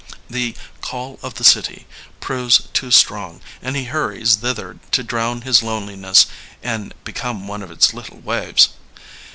The call of the city'* proves too strong, and he hurries thither to drown his loneliness and ^^ become one of its little waves.